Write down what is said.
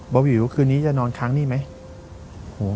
เบาวิวคืนนี้จะนอนค้างนี่ไหม